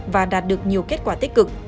và đạt được nhiều kết quả tích cực